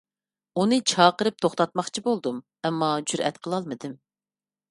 ئۇنى چاقىرىپ توختاتماقچى بولدۇم، ئەمما جۈرئەت قىلالمىدىم.